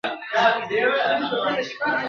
ټلفون ته یې زنګ راغی د مېرمني !.